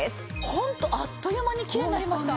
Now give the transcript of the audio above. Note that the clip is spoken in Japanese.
ホントあっという間にきれいになりました。